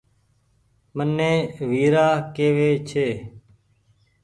مني ويرآ ڪيوي ڇي